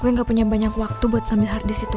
kue nggak punya banyak waktu buat nambil hard disk itu